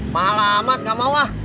mahal amat gak mau ah